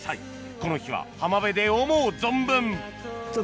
この日は浜辺で思う存分ねっ。